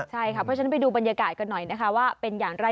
ใช่ค่ะเพราะฉะนั้นไปดูบรรยากาศกันหน่อยนะคะว่าเป็นอย่างไร